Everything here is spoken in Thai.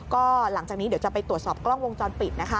ก็หลังจากนี้เดี๋ยวจะไปตรวจสอบกล้องวงจรปิดนะคะ